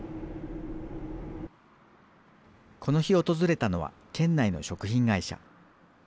この日訪れたのは県内の食品会社。